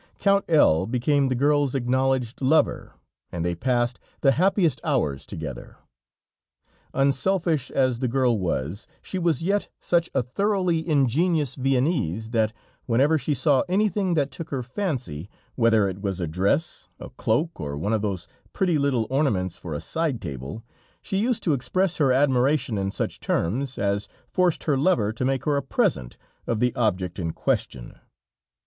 Count L became the girl's acknowledged lover, and they passed the happiest hours together. Unselfish as the girl was, she was yet such a thoroughly ingenuous Viennese, that, whenever she saw anything that took her fancy, whether it was a dress, a cloak or one of those pretty little ornaments for a side table, she used to express her admiration in such terms, as forced her lover to make her a present of the object in question.